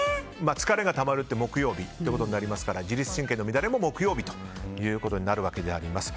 疲れがたまると木曜日ということになりますから自律神経の乱れも木曜日ということになるわけであります。